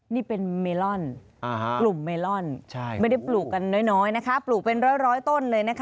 นี่เป็นเมลอนกลุ่มเมลอน